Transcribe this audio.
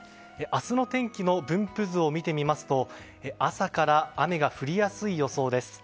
明日の天気の分布図を見てみると朝から雨が降りやすい予想です。